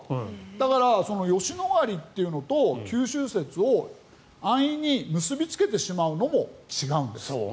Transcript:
だから吉野ヶ里というのと九州説を安易に結びつけてしまうのも違うんです。